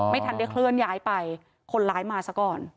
ไม่ทันได้เคลื่อนย้ายไปคนร้ายมาซะก่อน